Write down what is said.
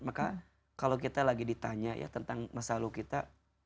maka kalau kita lagi ditanya ya tentang masa lalu kita